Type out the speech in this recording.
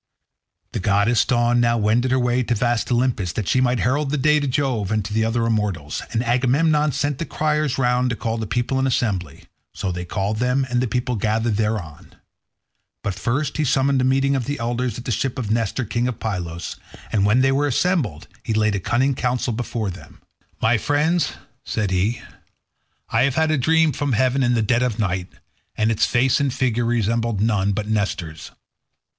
The goddess Dawn now wended her way to vast Olympus that she might herald day to Jove and to the other immortals, and Agamemnon sent the criers round to call the people in assembly; so they called them and the people gathered thereon. But first he summoned a meeting of the elders at the ship of Nestor king of Pylos, and when they were assembled he laid a cunning counsel before them. "My friends," said he, "I have had a dream from heaven in the dead of night, and its face and figure resembled none but Nestor's.